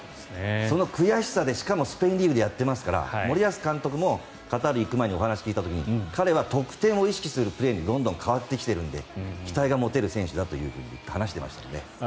その悔しさでしかもスペインリーグでやっていますから森保監督もカタールに行く前にお話を聞いた時に彼は得点を意識するプレーにどんどん変わってきているので期待が持てる選手だと話していましたので。